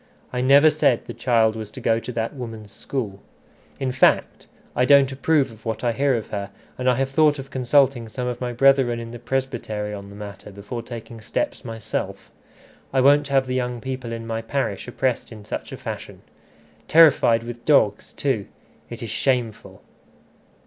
I never said the child was to go to that woman's school. In fact I don't approve of what I hear of her, and I have thought of consulting some of my brethren in the presbytery on the matter before taking steps myself. I won't have the young people in my parish oppressed in such a fashion. Terrified with dogs too! It is shameful."